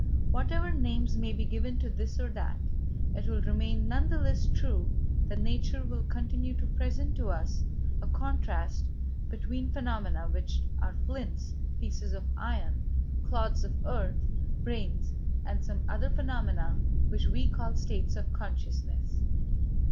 Whatever names may be given to this or that, it will remain none the less true that nature will continue to present to us a contrast between phenomena which are flints, pieces of iron, clods of earth, brains and some other phenomena which we call states of consciousness.